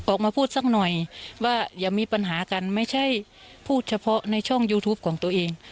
ออกมาพูดสักหน่อยว่าอย่ามีปัญหากันไม่ใช่พูดเฉพาะในช่องยูทูปของตัวเอง